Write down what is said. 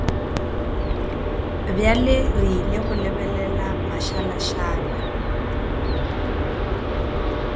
Bjale re ile go lebelela mašalašala.